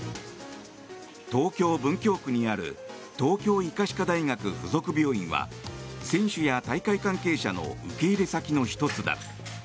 東京・文京区にある東京医科歯科大学附属病院は選手や大会関係者の受け入れ先の１つだ。